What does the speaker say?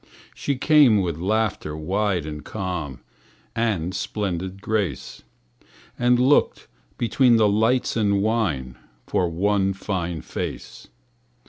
She came with laughter wide and calm; And splendid grace; And looked between the lights and wine For one fine face.